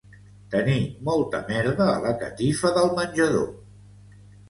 Tenir molta merda a la catifa del menjador